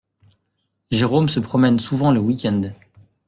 Jérôme se promène souvent le week-end.